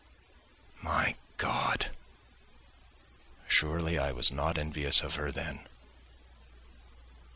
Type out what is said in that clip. My God! surely I was not envious of her then.